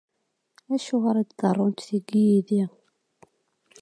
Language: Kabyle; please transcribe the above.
Acuɣer i d-ḍerrunt tigi yid-i?